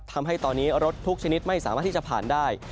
ทำให้ตอนนี้รถทุกชนิดไม่สามารถที่จะผ่านได้